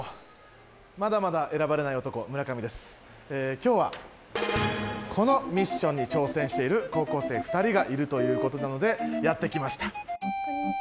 今日はこのミッションに挑戦している高校生２人がいるということなのでやって来ました。